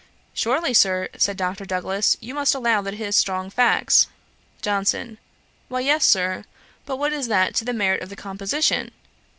'Surely, Sir, (said Dr. Douglas,) you must allow it has strong facts.' JOHNSON. 'Why yes, Sir; but what is that to the merit of the composition?